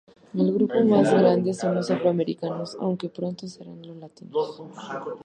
El grupo más grande son los afroamericanos, aunque pronto serán los latinos.